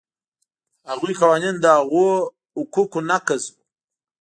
هغوی قانون د هغو حقوقو نقض و.